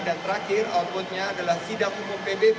dan terakhir outputnya adalah sida fuku pbb